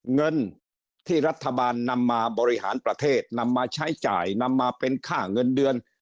เงินที่รัฐบาลนำมาบริหารประเทศนำมาใช้จ่ายนำมาเป็นค่าเงินเดือน